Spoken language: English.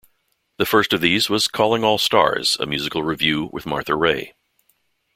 The first of these was "Calling All Stars", a musical revue with Martha Raye.